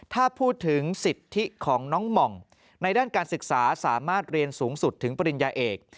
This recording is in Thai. ถ้าพูดถึงสิทธิของน้องหม่องในด้านการศึกษาสามารถเรียนสูงสุดถึงปริญญาเอก